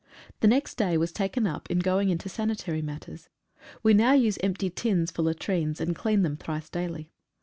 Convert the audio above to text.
The next day was taken up in going into sanitary matters. We now use empty tins for latrines, and clean them thrice daily.